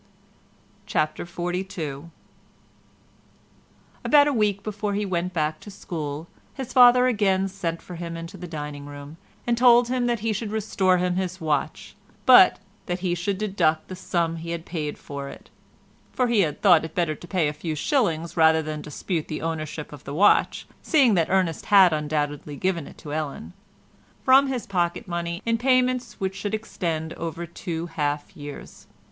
CHAPTER XLII About a week before he went back to school his father again sent for him into the dining room, and told him that he should restore him his watch, but that he should deduct the sum he had paid for it—for he had thought it better to pay a few shillings rather than dispute the ownership of the watch, seeing that Ernest had undoubtedly given it to Ellen—from his pocket money, in payments which should extend over two half years.